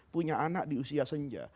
punya anak di usia senja